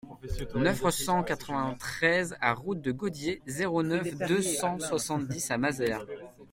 neuf cent quatre-vingt-treize A route de Gaudiès, zéro neuf, deux cent soixante-dix à Mazères